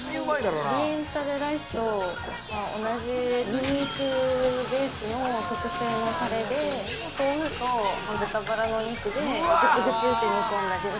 オリエンタルライスと同じ、ニンニクベースの特製のタレで、豆腐と豚バラのお肉でぐつぐつ煮込んだ。